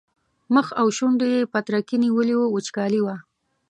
مخ او شونډو یې پترکي نیولي وو وچکالي وه.